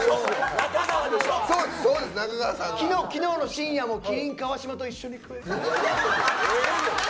昨日の深夜も麒麟・川島と一緒に。